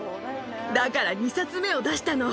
だから２冊目を出したの。